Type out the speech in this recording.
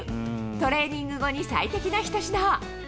トレーニング後に最適な一品。